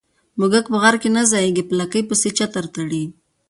ـ موږک په غار کې نه ځايږي، په لکۍ پسې چتر تړي.